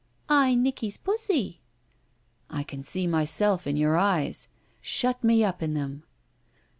"I Nicky's pussy." "I can see mysdf in your eyes. Shut me up in them."